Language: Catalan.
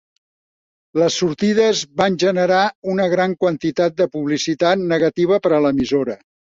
Les sortides van generar una gran quantitat de publicitat negativa per a l'emissora.